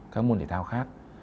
các môn thể thao khác